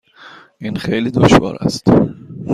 این خیلی دشوار است.